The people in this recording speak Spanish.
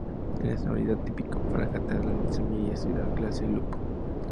Es una unidad del tipo Fragata lanzamisiles de la clase Lupo.